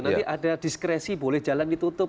nanti ada diskresi boleh jalan ditutup